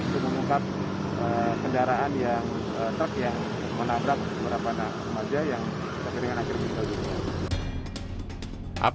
mengungkap kendaraan yang menabrak beberapa remaja yang terkeringan akhir jalan